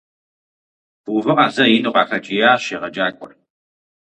- Фыувыӏэ зэ! - ину къахэкӏиящ егъэджакӏуэр.